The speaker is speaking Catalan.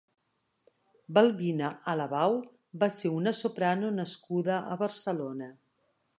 Balbina Alabau va ser una soprano nascuda a Barcelona.